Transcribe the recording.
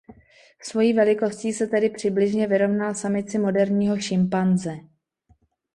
Svojí velikostí se tedy přibližně vyrovnal samici moderního šimpanze.